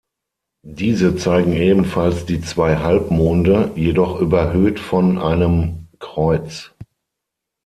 Diese zeigen ebenfalls die zwei Halbmonde, jedoch überhöht von einem Kreuz.